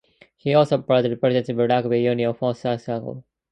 He also played representative rugby union for South Otago.